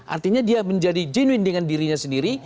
artinya dia menjadi genuin dengan dirinya sendiri